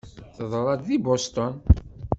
Teḍra-d di Boston.